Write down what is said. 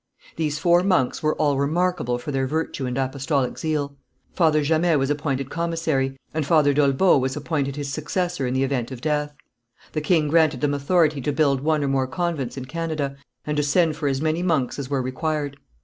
These four monks were all remarkable for their virtue and apostolic zeal. Father Jamet was appointed commissary, and Father d'Olbeau was appointed his successor in the event of death. The king granted them authority to build one or more convents in Canada, and to send for as many monks as were required.